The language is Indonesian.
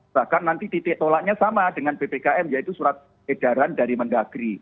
bahkan nanti titik tolaknya sama dengan ppkm yaitu surat edaran dari mendagri